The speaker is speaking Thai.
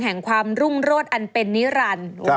แห่งความรุ่งโรดอันเป็นนิรันดิ์